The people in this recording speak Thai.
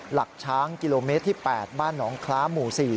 หลักช้างกิโลเมตรที่๘บ้านหนองคล้าหมู่๔